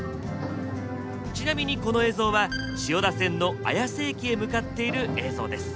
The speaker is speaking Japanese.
ちなみにこの映像は千代田線の綾瀬駅へ向かっている映像です。